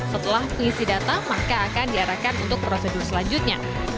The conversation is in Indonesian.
setelah pengisi data maka akan diarahkan untuk prosedur selanjutnya